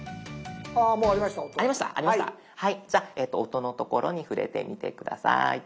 じゃあ「音」の所に触れてみて下さい。